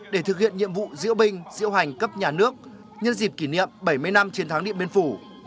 để thực hiện nhiệm vụ diễu binh diễu hành cấp nhà nước nhân dịp kỷ niệm bảy mươi năm chiến thắng điện biên phủ